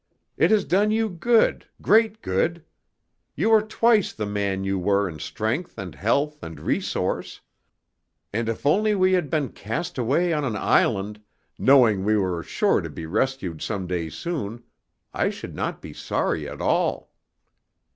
"It has done you good, great good. You are twice the man you were in strength and health and resource; and if only we had been cast away on an island, knowing we were sure to be rescued some day soon, I should not be sorry at all."